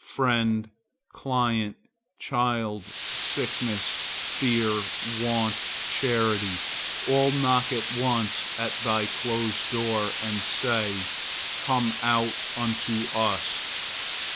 Friend, client, child, sickness, fear, want, charity, all knock at once at thy closet door and say,—'Come out unto us.